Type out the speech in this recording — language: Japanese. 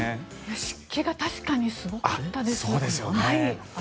湿気が確かにすごかったです。